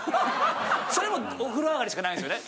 それもお風呂上がりしかないんですよね